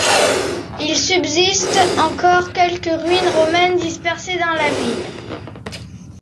Il subsiste encore quelques ruines romaines dispersées dans la ville.